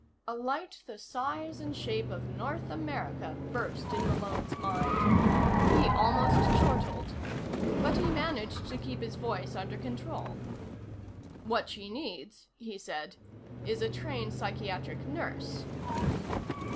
A light the size and shape of North America burst in Malone's mind. He almost chortled. But he managed to keep his voice under control. "What she needs," he said, "is a trained psychiatric nurse."